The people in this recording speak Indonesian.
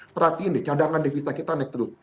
perhatiin nih cadangan devisa kita naik terus